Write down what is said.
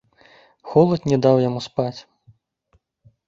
Холад не даў яму спаць.